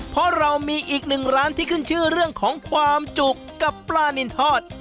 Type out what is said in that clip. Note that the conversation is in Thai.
เพราะเรามีอีกหนึ่งร้านที่ขึ้นชื่อเรื่องของความจุกกับปลานินทอด